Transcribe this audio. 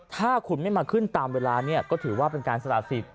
ถ้าคุณไม่มาขึ้นตามเวลาเนี่ยก็ถือว่าเป็นการสละสิทธิ